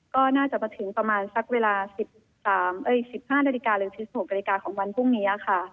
ก็น่าจะมาถึงประมาณสักเวลา๑๕นาฬิกาหรือ๑๖นาฬิกาของวันพรุ่งนี้ค่ะ